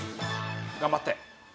頑張って！